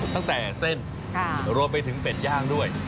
ตั้งแต่เส้นรวมไปถึงเป็ดย่างด้วย